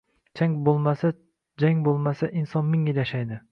Chang boʻlmasa, jang boʻlmasa, inson ming yil yashaydi